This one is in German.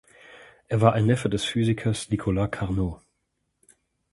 Er war ein Neffe des Physikers Nicolas Carnot.